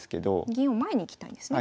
銀を前に行きたいんですね